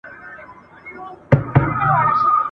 د سزا ورکولو او لاسونو !.